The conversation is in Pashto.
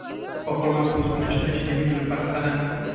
په خرما کې اوسپنه شته، چې د وینې لپاره ښه ده.